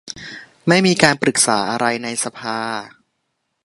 ไม่มีการปรึกษาอะไรในสภา